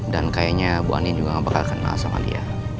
dan kayaknya bu andin juga gak bakal kenal sama dia